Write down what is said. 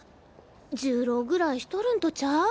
１０浪ぐらいしとるんとちゃう？